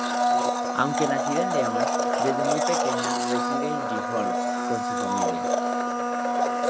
Aunque nacida en León, desde muy pequeña reside en Gijón con su familia.